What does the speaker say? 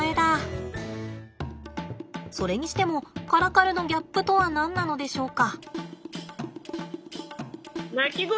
それにしてもカラカルのギャップとは何なのでしょうか。